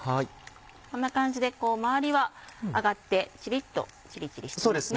こんな感じで周りは揚がってチリっとチリチリしてますね。